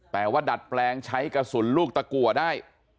แต่ว่าดัดแปลงใช้กระสุนลูกตะกัวได้